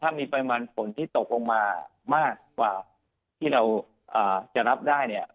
ถ้ามีปริมาณฝนที่ตกลงมามากกว่าที่เราจะรับได้เนี่ย